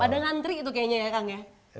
pada ngantri itu kayaknya ya kang ya